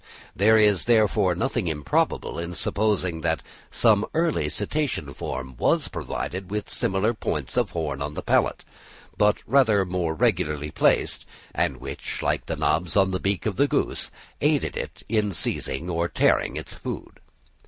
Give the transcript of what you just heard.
There is, therefore, nothing improbable in supposing that some early Cetacean form was provided with similar points of horn on the palate, but rather more regularly placed, and which, like the knobs on the beak of the goose, aided it in seizing or tearing its food.